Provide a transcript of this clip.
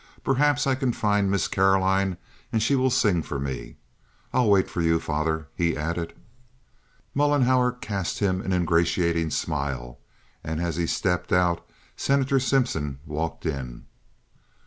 "Perhaps I can find Miss Caroline, and she will sing for me. I'll wait for you, father," he added. Mollenhauer cast him an ingratiating smile, and as he stepped out Senator Simpson walked in.